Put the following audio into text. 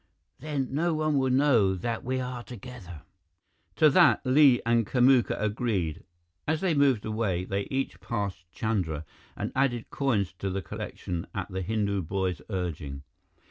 "Then no one will know that we are together." To that, Li and Kamuka agreed. As they moved away, they each passed Chandra and added coins to the collection at the Hindu boy's urging.